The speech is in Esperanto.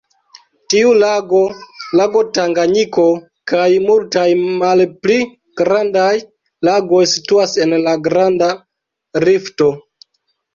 Tiu lago, lago Tanganjiko kaj multaj malpli grandaj lagoj situas en la Granda Rifto.